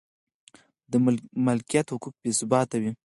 د مالکیت حقوق بې ثباته و.